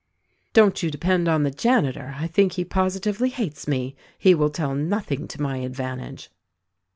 "Don't you depend on the janitor — I think he positively hates me; he will tell nothing to my advantage!"